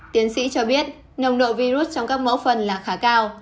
tiến sĩ cho biết nồng độ virus trong các mẫu phân là khá cao